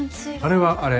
あれはあれ。